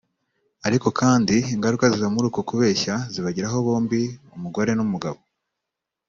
ariko kandi ingaruka ziva muri uko kubeshya zibageraho bombi umugore n’umugabo